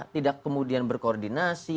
tidak kemudian berkoordinasi